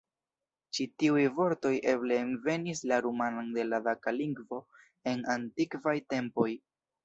Ĉi tiuj vortoj eble envenis la rumanan de la daka lingvo en antikvaj tempoj.